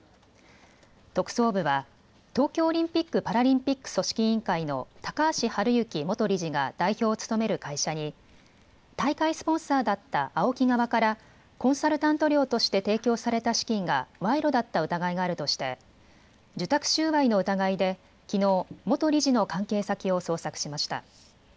特捜部は東京オリンピック・パラリンピック組織委員会の高橋治之元理事が代表を務める会社に大会スポンサーだったＡＯＫＩ側からコンサルタント料として提供された資金が賄賂だった疑いがあるとして受託収賄の疑いできのう元理事の関係先を捜索しました。